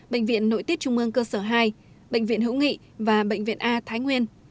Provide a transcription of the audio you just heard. bệnh viện nội tiết trung ương cơ sở hai bệnh viện hữu nghị và bệnh viện a thái nguyên